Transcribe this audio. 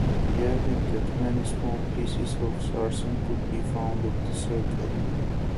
He added that many small pieces of sarsen could be found at the circle.